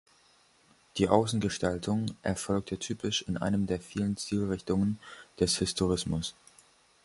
Die Außengestaltung erfolgte typisch in einem der vielen Stilrichtungen des Historismus.